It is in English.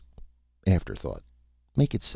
Afterthought make it $7.